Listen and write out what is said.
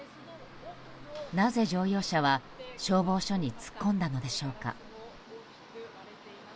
なぜ乗用車は消防署に突っ込んだのでしょうか。